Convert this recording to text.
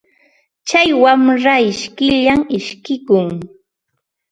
Tsay wamra ishkiyllam ishkikun.